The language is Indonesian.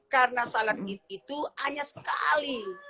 karena sholat it itu hanya sekali